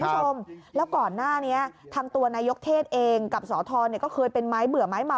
ที่ไปหมดค่ะคุณผู้ชมแล้วก่อนหน้าเนี้ยทำตัวนายกเทศเองกับสตเนี้ยก็เคยเป็นไม้เบื่อไม้เมา